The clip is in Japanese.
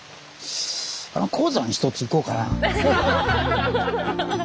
あの鉱山ひとついこうかな。